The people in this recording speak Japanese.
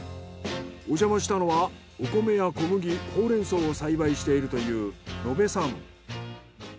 おじゃましたのはお米や小麦ホウレンソウを栽培しているという野辺さん。